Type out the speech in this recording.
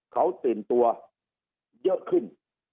เขาตื่นตัวเยอะขึ้น